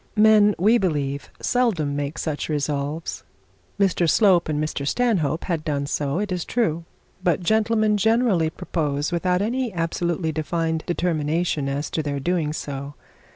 Men we believe seldom make such resolve. Mr Slope and Mr Stanhope had done so, it is true; but gentlemen generally propose without any absolutely defined determination as to their doing so.